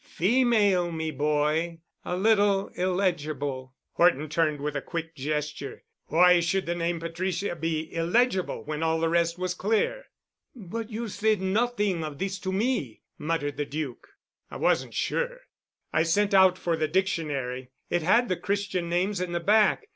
'Female, me boy. A little illegible——'" Horton turned with a quick gesture. "Why should the name Patricia be illegible when all the rest was clear?" "But you said nothing of this to me," muttered the Duc. "I wasn't sure. I sent out for the dictionary. It had the Christian names in the back.